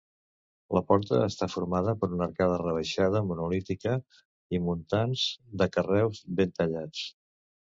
La porta està formada per una arcada rebaixada monolítica i muntants de carreus ben tallats.